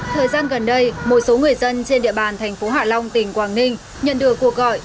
thời gian gần đây một số người dân trên địa bàn thành phố hạ long tỉnh quảng ninh nhận được cuộc gọi